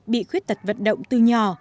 bị khuyết tật vận động từ nhỏ